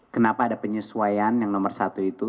kenapa ada penyesuaian yang nomor satu itu